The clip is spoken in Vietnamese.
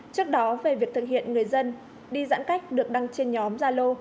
trước đó về việc thực hiện người dân đi giãn cách được đăng trên nhóm gia lô